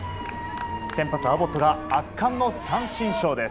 先発、アボットが圧巻の三振ショーです。